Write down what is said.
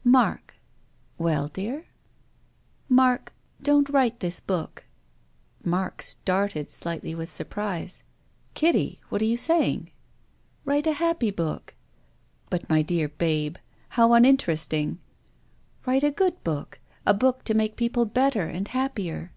" Mark !" "Well, dear?" " Mark — don't write this book." Mark started slightly with surprise. " Kitty ! what arc you saying ?"" Write a happy book." " My dear babe — how uninteresting !"" Write a good book, a book to make people better and happier."